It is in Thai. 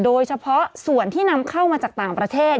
โดยเฉพาะส่วนที่นำเข้ามาจากต่างประเทศ